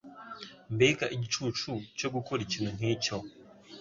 Mbega igicucu cyo gukora ikintu nkicyo!